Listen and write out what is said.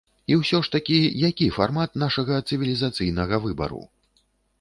І ўсё ж такі, які фармат нашага цывілізацыйнага выбару?